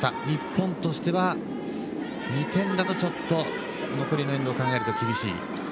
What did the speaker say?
日本としては２点だと、ちょっと残りのエンドを考えると難しい。